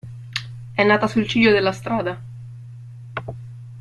È nata sul ciglio della strada.